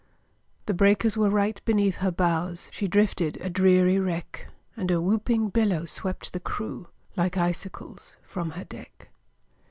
The breakers were right beneath her bows, She drifted a dreary wreck, And a whooping billow swept the crew Like icicles from her deck.